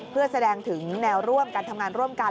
เพื่อแสดงถึงแนวร่วมการทำงานร่วมกัน